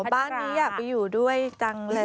บ้านนี้อยากไปอยู่ด้วยจังเลย